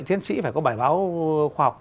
tiến sĩ phải có bài báo khoa học